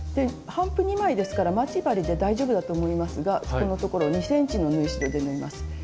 帆布２枚ですから待ち針で大丈夫だと思いますがそこのところ２ｃｍの縫い代で縫います。